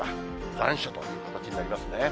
残暑という形になりますね。